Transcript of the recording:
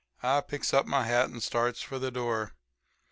"I picks up my hat and starts for the door.